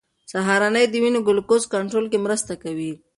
سهارنۍ د وینې ګلوکوز کنټرول کې مرسته کوي.